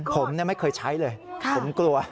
ผมไม่เคยใช้เลยผมกลัว